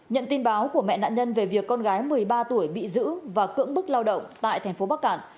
nhận tin báo của mẹ nạn nhân về việc con gái một mươi ba tuổi bị giữ và cưỡng bức lao động tại thành phố bắc cạn